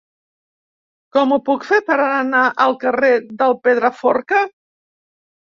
Com ho puc fer per anar al carrer del Pedraforca?